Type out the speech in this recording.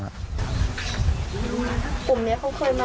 อืม